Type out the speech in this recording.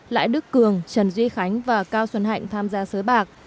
lãi đức cường trần duy khánh và cao xuân hạnh tham gia sớ bạc